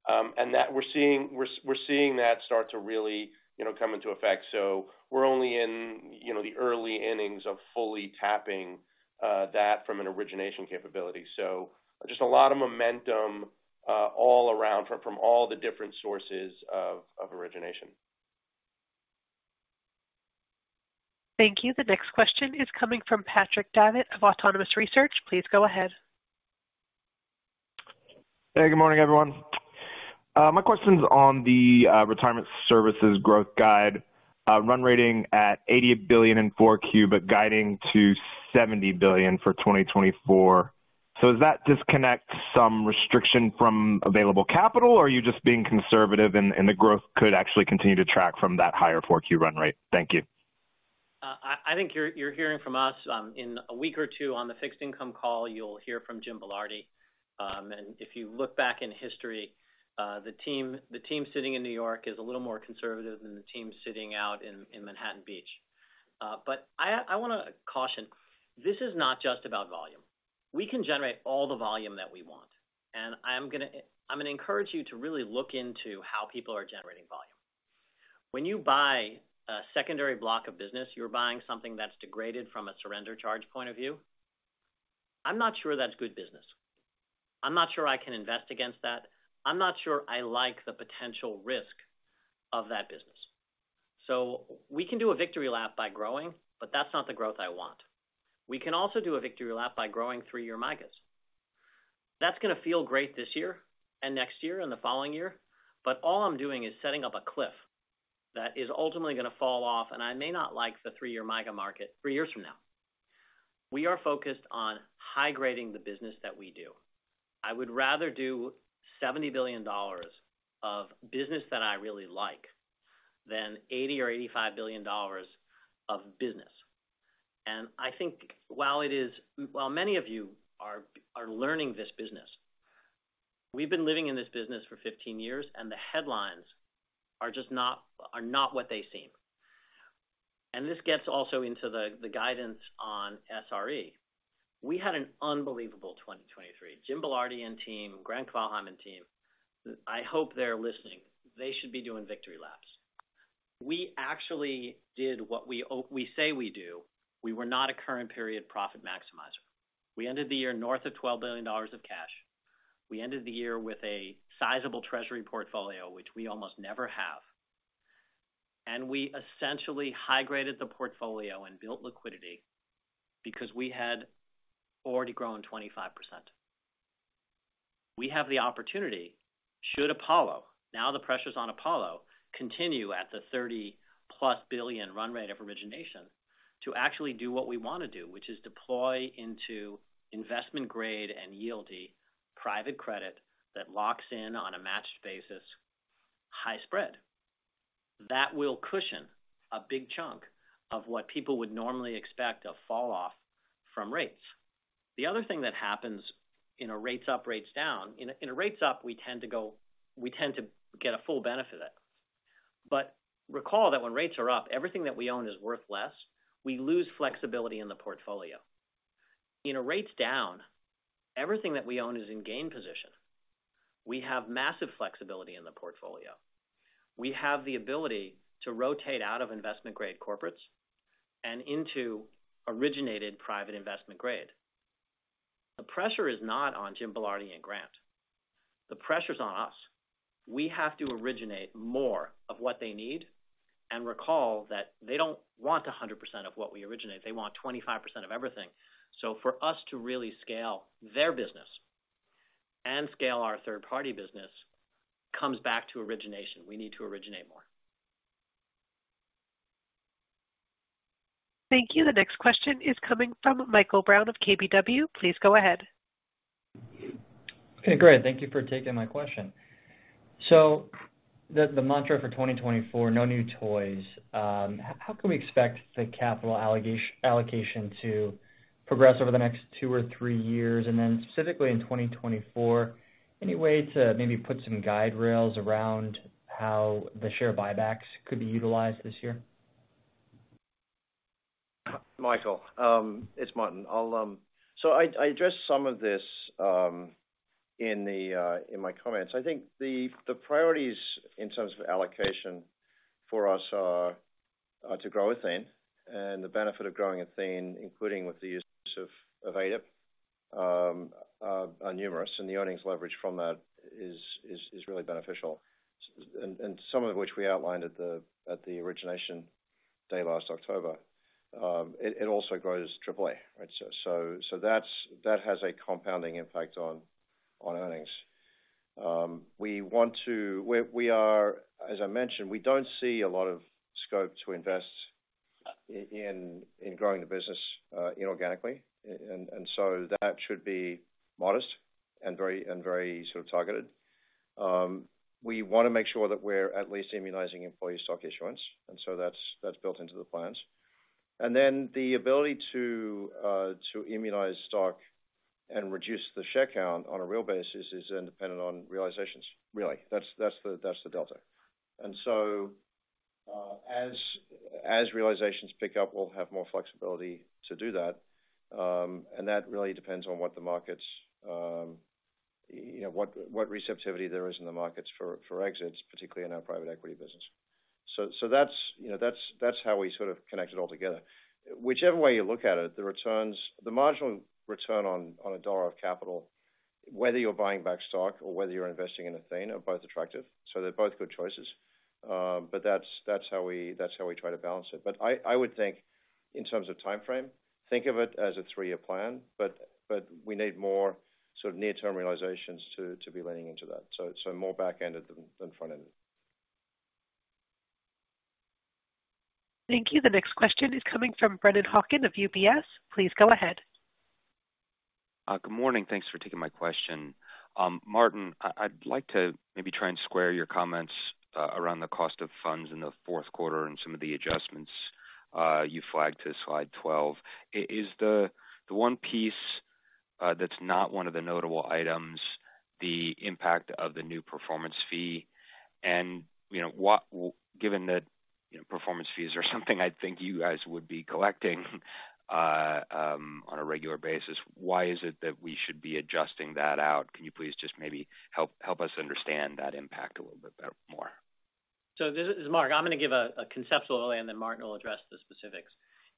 Speaker 4: And that we're seeing, we're seeing that start to really, you know, come into effect. So we're only in, you know, the early innings of fully tapping that from an origination capability. So just a lot of momentum all around from all the different sources of origination.
Speaker 1: Thank you. The next question is coming from Patrick Davitt of Autonomous Research. Please go ahead.
Speaker 9: Hey, good morning, everyone. My question is on the Retirement Services growth guide, run rate at $80 billion in 4Q, but guiding to $70 billion for 2024. So does that disconnect some restriction from available capital, or are you just being conservative and, and the growth could actually continue to track from that higher 4Q run rate? Thank you.
Speaker 3: I think you're hearing from us in a week or two on the fixed income call. You'll hear from Jim Belardi. And if you look back in history, the team sitting in New York is a little more conservative than the team sitting out in Manhattan Beach. But I want to caution, this is not just about volume. We can generate all the volume that we want, and I'm gonna encourage you to really look into how people are generating volume. When you buy a secondary block of business, you're buying something that's degraded from a surrender charge point of view. I'm not sure that's good business. I'm not sure I can invest against that. I'm not sure I like the potential risk of that business. So we can do a victory lap by growing, but that's not the growth I want. We can also do a victory lap by growing three-year MYGAs. That's gonna feel great this year and next year and the following year, but all I'm doing is setting up a cliff that is ultimately gonna fall off, and I may not like the three-year MYGA market 3 years from now. We are focused on high-grading the business that we do. I would rather do $70 billion of business that I really like, than $80 billion or $85 billion of business. And I think while it is while many of you are learning this business, we've been living in this business for 15 years, and the headlines are just not what they seem. And this gets also into the guidance on SRE. We had an unbelievable 2023, Jim Belardi and team, Grant Kvalheim and team, I hope they're listening. They should be doing victory laps. We actually did what we say we do. We were not a current period profit maximizer. We ended the year north of $12 billion of cash. We ended the year with a sizable treasury portfolio, which we almost never have. We essentially high-graded the portfolio and built liquidity because we had already grown 25%. We have the opportunity, should Apollo, now the pressure's on Apollo, continue at the $30+ billion run rate of origination to actually do what we want to do, which is deploy into investment grade and yieldy private credit that locks in on a matched basis, high spread. That will cushion a big chunk of what people would normally expect a falloff from rates. The other thing that happens in a rates up, rates down. In a rates up, we tend to go. We tend to get a full benefit of that. But recall that when rates are up, everything that we own is worth less. We lose flexibility in the portfolio. In a rates down, everything that we own is in gain position. We have massive flexibility in the portfolio. We have the ability to rotate out of investment-grade corporates and into originated private investment grade. The pressure is not on Jim Belardi and Grant. The pressure is on us. We have to originate more of what they need, and recall that they don't want 100% of what we originate. They want 25% of everything. So for us to really scale their business and scale our third-party business, comes back to origination. We need to originate more.
Speaker 1: Thank you. The next question is coming from Michael Brown of KBW. Please go ahead.
Speaker 10: Okay, great. Thank you for taking my question. So the mantra for 2024, no new toys. How can we expect the capital allocation to progress over the next two or three years? And then specifically in 2024, any way to maybe put some guardrails around how the share buybacks could be utilized this year?
Speaker 5: Michael, it's Martin. I'll. So I addressed some of this in my comments. I think the priorities in terms of allocation for us are to grow Athene. And the benefit of growing Athene, including with the use of ADIP, are numerous, and the earnings leverage from that is really beneficial. And some of which we outlined at the origination day last October. It also grows AAA, right? So that's that has a compounding impact on earnings. We are, as I mentioned, we don't see a lot of scope to invest in growing the business inorganically. And so that should be modest and very sort of targeted. We wanna make sure that we're at least immunizing employee stock issuance, and so that's built into the plans. And then the ability to immunize stock and reduce the share count on a real basis is then dependent on realizations, really. That's the delta. And so, as realizations pick up, we'll have more flexibility to do that. And that really depends on what the markets, you know, what receptivity there is in the markets for exits, particularly in our private equity business. So that's, you know, that's how we sort of connect it all together. Whichever way you look at it, the returns, the marginal return on a dollar of capital, whether you're buying back stock or whether you're investing in Athene, are both attractive, so they're both good choices. But that's how we try to balance it. But I would think in terms of timeframe, think of it as a three-year plan, but we need more sort of near-term realizations to be leaning into that. So more back-ended than front-ended.
Speaker 1: Thank you. The next question is coming from Brennan Hawken of UBS. Please go ahead.
Speaker 11: Good morning. Thanks for taking my question. Martin, I'd like to maybe try and square your comments around the cost of funds in the fourth quarter and some of the adjustments you flagged to slide 12. Is the one piece that's not one of the notable items, the impact of the new performance fee? And, you know, what-- given that, you know, performance fees are something I'd think you guys would be collecting on a regular basis, why is it that we should be adjusting that out? Can you please just maybe help us understand that impact a little bit better, more?
Speaker 3: So this is Marc. I'm gonna give a, a conceptual, and then Martin will address the specifics.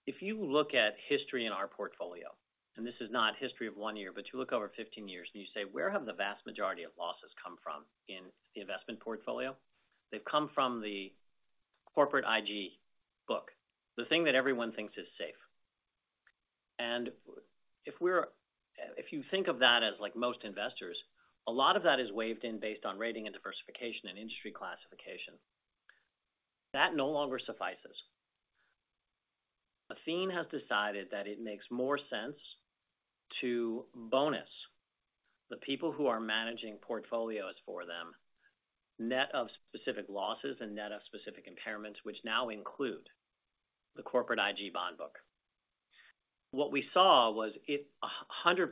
Speaker 3: If you look at history in our portfolio, and this is not history of 1 year, but you look over 15 years, and you say: Where have the vast majority of losses come from in the investment portfolio? They've come from the corporate IG book, the thing that everyone thinks is safe. And if we're, if you think of that as like most investors, a lot of that is waived in based on rating and diversification and industry classification. That no longer suffices. Athene has decided that it makes more sense to bonus the people who are managing portfolios for them, net of specific losses and net of specific impairments, which now include the corporate IG bond book. What we saw was it, 100%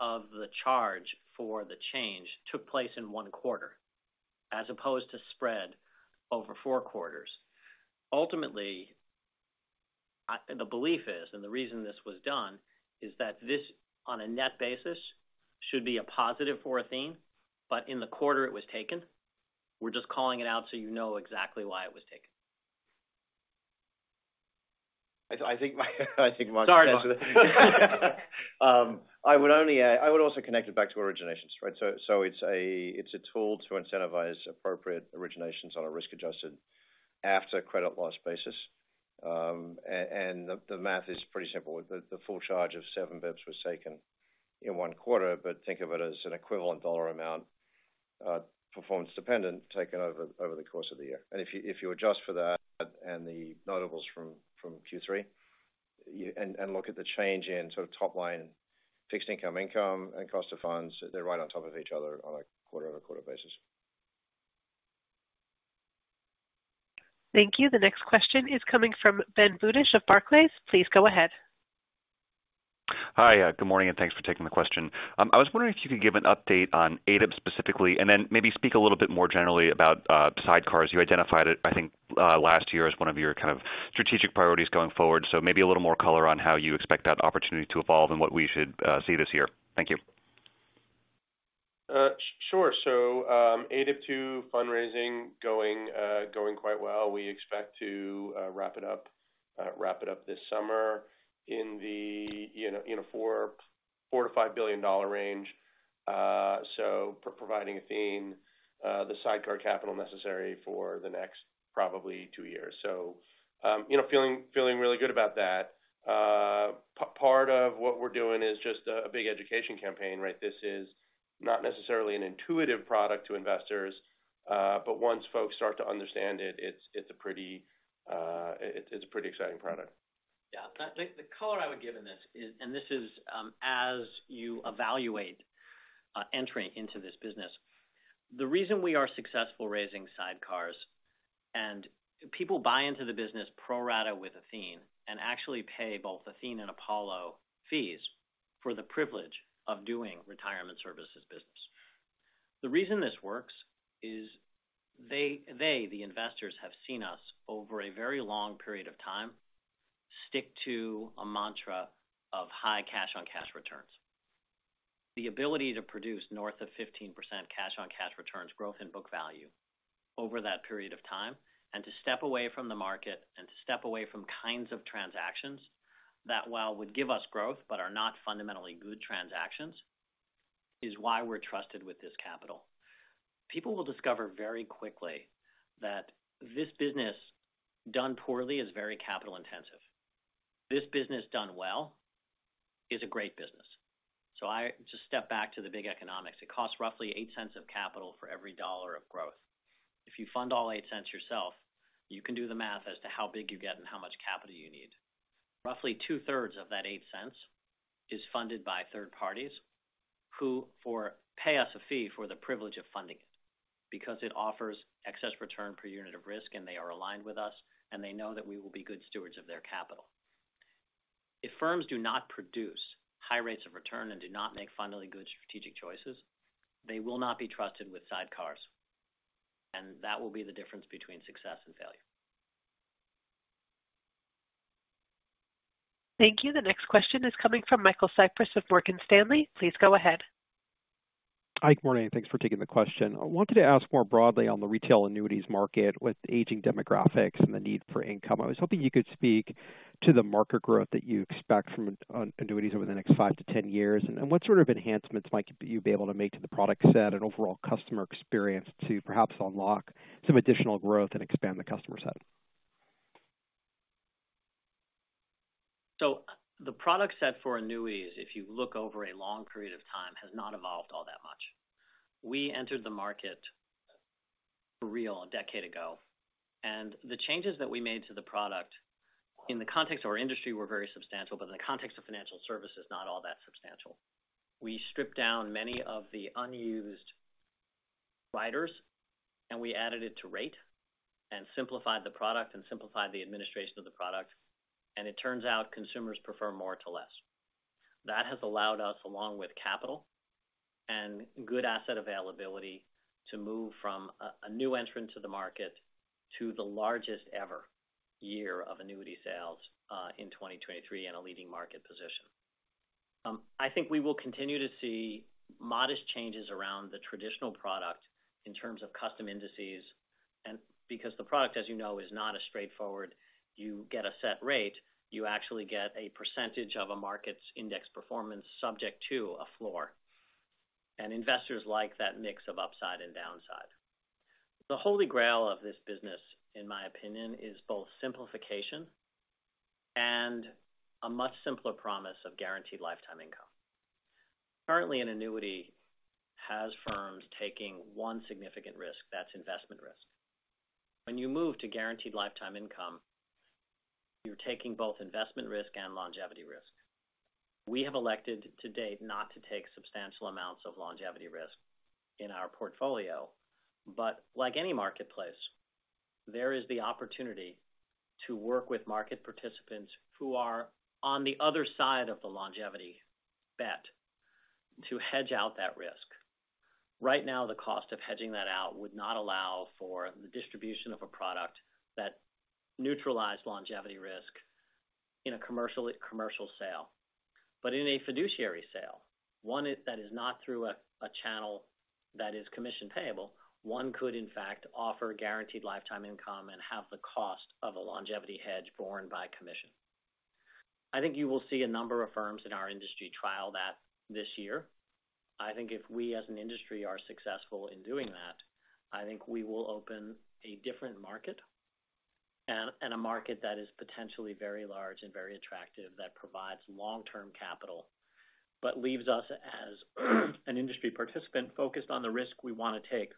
Speaker 3: of the charge for the change took place in one quarter, as opposed to spread over four quarters. Ultimately, the belief is, and the reason this was done, is that this, on a net basis, should be a positive for Athene, but in the quarter it was taken, we're just calling it out so you know exactly why it was taken.
Speaker 5: I think Mark-
Speaker 3: Sorry, Martin.
Speaker 5: I would only add, I would also connect it back to originations, right? So, it's a tool to incentivize appropriate originations on a risk-adjusted after-credit loss basis. And the math is pretty simple. The full charge of seven basis points was taken in one quarter, but think of it as an equivalent dollar amount, performance dependent, taken over the course of the year. And if you adjust for that and the notables from Q3, and look at the change in sort of top line, fixed income income and cost of funds, they're right on top of each other on a quarter-over-quarter basis.
Speaker 1: Thank you. The next question is coming from Ben Budish of Barclays. Please go ahead.
Speaker 12: Hi, good morning, and thanks for taking the question. I was wondering if you could give an update on ADIP specifically, and then maybe speak a little bit more generally about sidecars. You identified it, I think, last year as one of your kind of strategic priorities going forward. So maybe a little more color on how you expect that opportunity to evolve and what we should see this year. Thank you.
Speaker 5: Sure. So, ADIP II fundraising going quite well. We expect to wrap it up this summer in a $4 to $5 billion range. So providing Athene the sidecar capital necessary for the next probably two years. So, you know, feeling really good about that. A part of what we're doing is just a big education campaign, right? This is not necessarily an intuitive product to investors, but once folks start to understand it, it's a pretty exciting product.
Speaker 3: Yeah. The color I would give in this is, and this is, as you evaluate entering into this business. The reason we are successful raising sidecars and people buy into the business pro rata with Athene and actually pay both Athene and Apollo fees for the privilege of doing retirement services business. The reason this works is they, the investors, have seen us over a very long period of time, stick to a mantra of high cash-on-cash returns. The ability to produce north of 15% cash-on-cash returns, growth in book value over that period of time, and to step away from the market and to step away from kinds of transactions that, while would give us growth, but are not fundamentally good transactions, is why we're trusted with this capital. People will discover very quickly that this business done poorly is very capital intensive. This business, done well, is a great business. So I just step back to the big economics. It costs roughly $0.08 of capital for every $1 of growth. If you fund all $0.08 yourself, you can do the math as to how big you get and how much capital you need. Roughly two-thirds of that $0.08 is funded by third parties, who pay us a fee for the privilege of funding it, because it offers excess return per unit of risk, and they are aligned with us, and they know that we will be good stewards of their capital. If firms do not produce high rates of return and do not make fundamentally good strategic choices, they will not be trusted with sidecars, and that will be the difference between success and failure.
Speaker 1: Thank you. The next question is coming from Michael Cyprys of Morgan Stanley. Please go ahead.
Speaker 13: Hi, good morning, thanks for taking the question. I wanted to ask more broadly on the retail annuities market, with aging demographics and the need for income. I was hoping you could speak to the market growth that you expect on annuities over the next 5 to 10 years, and what sort of enhancements might you be able to make to the product set and overall customer experience to perhaps unlock some additional growth and expand the customer set?
Speaker 3: So the product set for annuities, if you look over a long period of time, has not evolved all that much. We entered the market for real a decade ago, and the changes that we made to the product in the context of our industry, were very substantial, but in the context of financial services, not all that substantial. We stripped down many of the unused riders, and we added it to rate and simplified the product and simplified the administration of the product. And it turns out consumers prefer more to less. That has allowed us, along with capital and good asset availability, to move from a new entrant to the market, to the largest ever year of annuity sales in 2023 and a leading market position. I think we will continue to see modest changes around the traditional product in terms of custom indices. And because the product, as you know, is not as straightforward, you get a set rate, you actually get a percentage of a market's index performance subject to a floor. And investors like that mix of upside and downside. The holy grail of this business, in my opinion, is both simplification and a much simpler promise of guaranteed lifetime income. Currently, an annuity has firms taking one significant risk, that's investment risk. When you move to guaranteed lifetime income, you're taking both investment risk and longevity risk. We have elected to date, not to take substantial amounts of longevity risk in our portfolio, but like any marketplace, there is the opportunity to work with market participants who are on the other side of the longevity bet to hedge out that risk. Right now, the cost of hedging that out would not allow for the distribution of a product that neutralized longevity risk in a commercial, commercial sale. But in a fiduciary sale, one that is not through a, a channel that is commission payable, one could in fact offer guaranteed lifetime income and have the cost of a longevity hedge borne by commission. I think you will see a number of firms in our industry trial that this year. I think if we, as an industry, are successful in doing that, I think we will open a different market and, and a market that is potentially very large and very attractive, that provides long-term capital, but leaves us as an industry participant focused on the risk we want to take,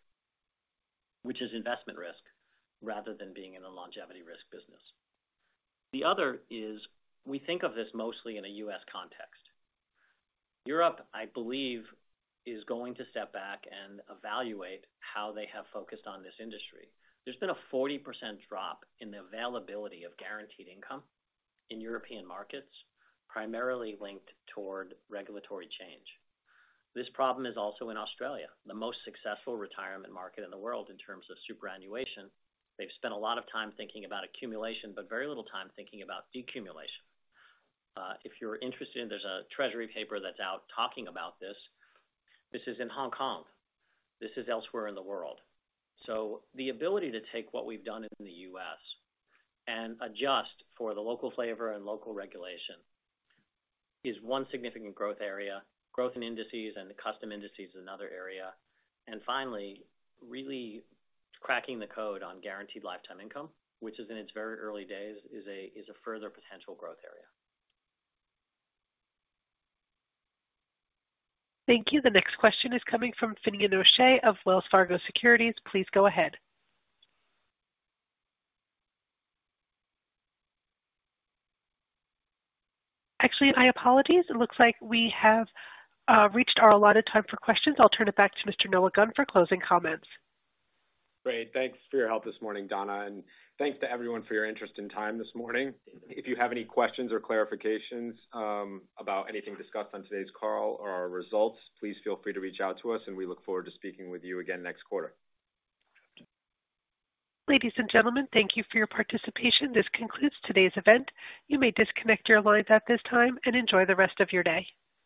Speaker 3: which is investment risk, rather than being in a longevity risk business. The other is, we think of this mostly in a U.S. context. Europe, I believe, is going to step back and evaluate how they have focused on this industry. There's been a 40% drop in the availability of guaranteed income in European markets, primarily linked toward regulatory change. This problem is also in Australia, the most successful retirement market in the world in terms of superannuation. They've spent a lot of time thinking about accumulation, but very little time thinking about decumulation. If you're interested, there's a treasury paper that's out talking about this. This is in Hong Kong. This is elsewhere in the world. So the ability to take what we've done in the U.S. and adjust for the local flavor and local regulation, is one significant growth area, growth in indices and the custom indices is another area. Finally, really cracking the code on guaranteed lifetime income, which is in its very early days, is a further potential growth area.
Speaker 1: Thank you. The next question is coming from Finian O'Shea of Wells Fargo Securities. Please go ahead. Actually, I apologize. It looks like we have reached our allotted time for questions. I'll turn it back to Mr. Noah Gunn for closing comments.
Speaker 14: Great. Thanks for your help this morning, Donna, and thanks to everyone for your interest and time this morning. If you have any questions or clarifications about anything discussed on today's call or our results, please feel free to reach out to us, and we look forward to speaking with you again next quarter.
Speaker 1: Ladies and gentlemen, thank you for your participation. This concludes today's event. You may disconnect your lines at this time and enjoy the rest of your day.